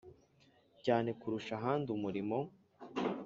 Cyane kurusha ahandi umurimo